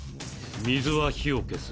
水は火を消す。